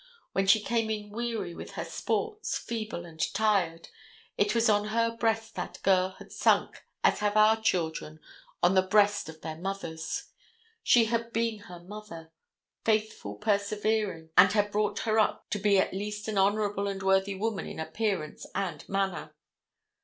When she came in weary with her sports, feeble and tired, it was on her breast that girl had sunk as have our children on the breast of their mothers. She had been her mother, faithful persevering, and had brought her up to be at least an honorable and worthy woman in appearance and manner.